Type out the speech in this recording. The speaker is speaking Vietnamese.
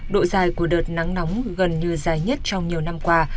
độ dài của đợt nắng nóng gần như dài nhất trong nhiều năm qua